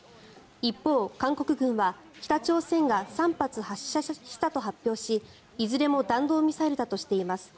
一方、韓国軍は北朝鮮が３発発射したと発表しいずれも弾道ミサイルだとしています。